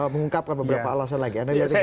mengungkapkan beberapa alasan lagi